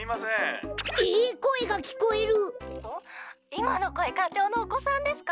いまのこえかちょうのおこさんですか？」。